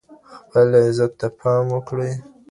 خپل عزت ته پام وکړئ.